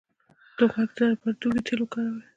د غوږ د درد لپاره د هوږې تېل وکاروئ